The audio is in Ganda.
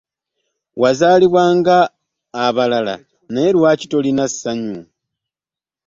Wazaalibwa ng'abalala naye lwaki tolina ssanyu?